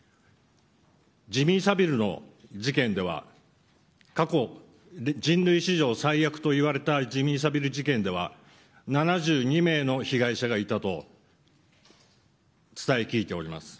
過去の事件では過去人類史上最悪と言われた事件では７２名の被害者がいたと伝え聞いております。